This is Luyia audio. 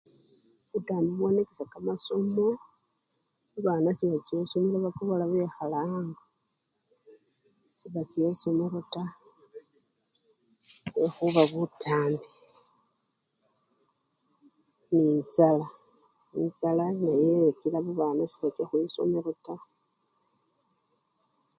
Butambi bwonakisya kamasomo, babana sebacha esomelo taa bakobola bekhala ango, sebacha esomelo taa lwekhuba butambi nenjjala lwekhuba enjjala nayo ekila sebacha khwisomelo taa.